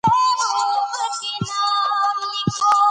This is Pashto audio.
زده کړه ښځه د مالي پریکړو مسؤلیت لري.